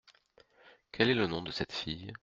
Quel est le nom de cette fille ?